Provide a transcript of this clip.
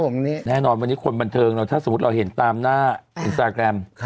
แน่นอนวันนี้คนบันเทิงเราถ้าสมมุติเราเห็นตามหน้าอินสตาแกรม